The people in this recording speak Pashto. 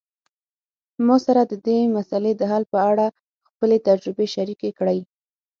ما سره د دې مسئلې د حل په اړه خپلي تجربي شریکي کړئ